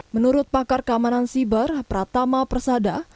menurut pakar keamanan siber pratama persada